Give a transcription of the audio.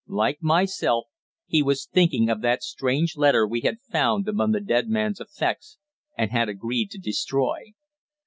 Like myself, he was thinking of that strange letter we had found among the dead man's effects and had agreed to destroy.